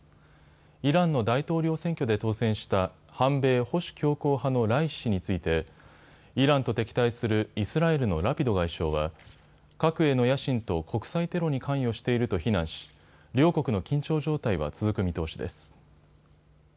イランの大統領選挙で当選した反米・保守強硬派のライシ師についてイランと敵対するイスラエルのラピド外相は核への野心と国際テロに関与していると非難し、両国の緊張状態は続く見通しです。